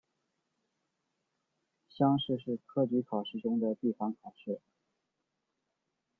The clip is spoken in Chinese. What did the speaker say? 乡试是科举考试中的地方考试。